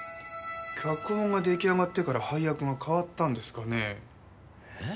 脚本が出来上がってから配役が変わったんですかね？